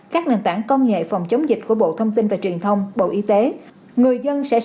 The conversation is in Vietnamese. các nền tảng công nghệ phòng chống dịch của bộ thông tin và truyền thông bộ y tế